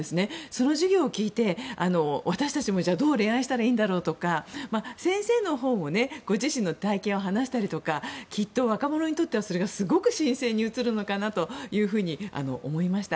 その授業を聞いて、私たちもどう恋愛したらいいんだろうと先生のほうもご自身の体験を話したりとかきっと、若者にとってはそれが新鮮に映るのかなと思いました。